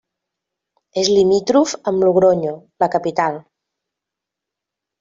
És limítrof amb Logronyo, la capital.